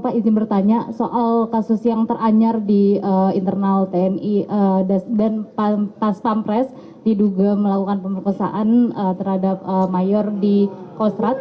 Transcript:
pak izin bertanya soal kasus yang teranyar di internal tni dan pas pampres diduga melakukan pemerkosaan terhadap mayor di kostrat